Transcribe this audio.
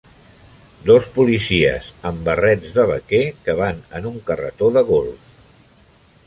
Dos policies amb barrets de vaquer que van en un carretó de golf.